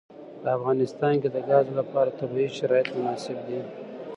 په افغانستان کې د ګاز لپاره طبیعي شرایط مناسب دي.